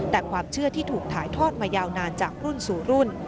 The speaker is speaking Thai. แต่ความเชื่อที่ถูกถ่ายทอดมายาวนานจากรุ่นสู่รุ่น